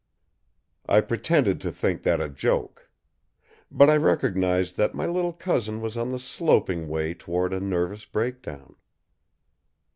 I pretended to think that a joke. But I recognized that my little cousin was on the sloping way toward a nervous breakdown.